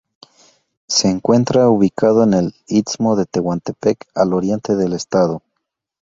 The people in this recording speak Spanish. Se encuentra ubicado en el istmo de Tehuantepec al oriente del estado.